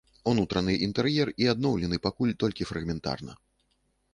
Унутраны інтэр'ер і адноўлены пакуль толькі фрагментарна.